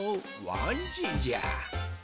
わんじいじゃ。